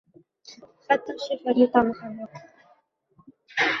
Hatto shiferli tomi ham yo`q